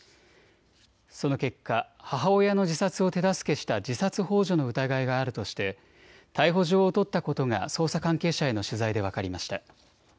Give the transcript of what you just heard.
その結果、母親の自殺を手助けした自殺ほう助の疑いがあるとして逮捕状を取ったことが捜査関係者への取材で分かりました。